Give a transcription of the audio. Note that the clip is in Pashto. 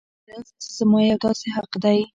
رزق زما یو داسې حق دی.